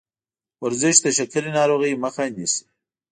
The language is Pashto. ورزش د شکرې ناروغۍ مخه نیسي.